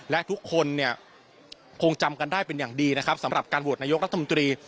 และทุกคนเนี่ยคงจำกันได้เป็นอย่างดีนะครับสำหรับการโหวตนายกรัฐมนตรี